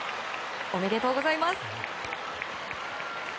おめでとうございます！